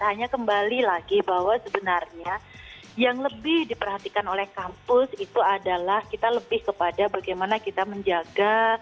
hanya kembali lagi bahwa sebenarnya yang lebih diperhatikan oleh kampus itu adalah kita lebih kepada bagaimana kita menjaga